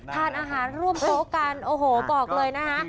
ทานอาหารร่วมโต๊ะกันโอ้โหบอกเลยนะคะ